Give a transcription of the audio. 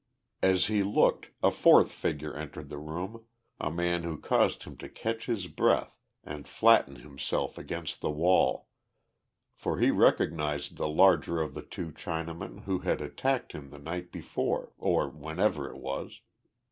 As he looked, a fourth figure entered the room a man who caused him to catch his breath and flatten himself against the wall, for he recognized the larger of the two Chinamen who had attacked him the night before or whenever it was.